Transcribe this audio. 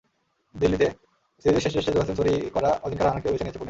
দিল্লিতে সিরিজের শেষ টেস্টে জোড়া সেঞ্চুরি করা অজিঙ্কা রাহানেকেও বেছে নিয়েছে পুনে।